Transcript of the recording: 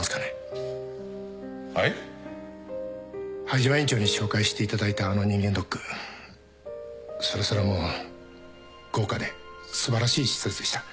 灰島院長に紹介していただいたあの人間ドックそれはそれはもう豪華で素晴らしい施設でした。